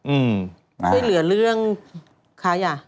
ช่วยเหลือเรื่องค้ายา